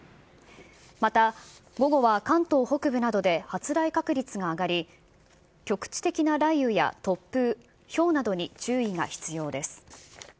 また午後は関東北部などで発雷確率が上がり、局地的な雷雨や突風、ひょうなどに注意が必要です。